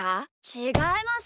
ちがいます！